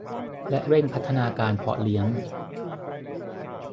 และเร่งพัฒนาการเพาะเลี้ยง